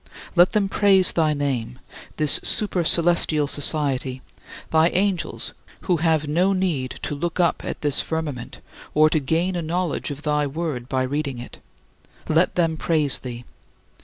Let them praise thy name this super celestial society, thy angels, who have no need to look up at this firmament or to gain a knowledge of thy Word by reading it let them praise thee.